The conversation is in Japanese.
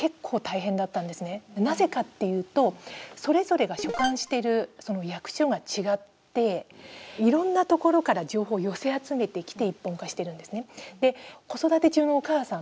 なぜかっていうとそれぞれが所管してる役所が違っていろんな所から情報を寄せ集めてきて一本化してるんですね。